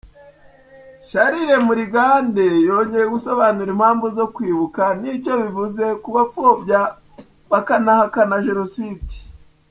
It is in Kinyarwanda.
Charles Murigande, yongeye gusobanura impamvu zo kwibuka n’icyo bivuze ku bapfobya bakanahakana jenoside.